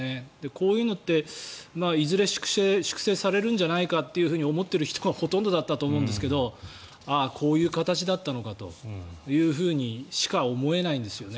こういうのって、いずれ粛清されるんじゃないかって思っている人がほとんどだったと思うんですけどこういう形だったのかというふうにしか思えないんですよね。